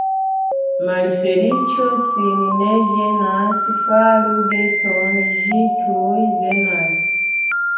Malfeliĉo sin ne ĝenas, faru geston — ĝi tuj venas.